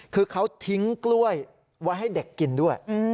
คือเขาทิ้งกล้วยไว้ให้เด็กกินด้วย